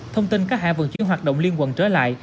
thông tin các hạ vận chuyển hoạt động liên quần trở lại